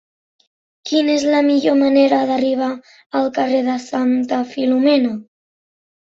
Quina és la millor manera d'arribar al carrer de Santa Filomena?